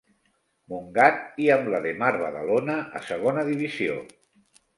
Montgat i amb l'Ademar Badalona a Segona divisió.